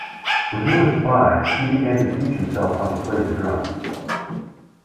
When he was five, he began to teach himself how to play the drums.